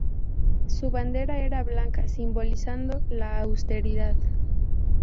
Su bandera era blanca simbolizando la austeridad.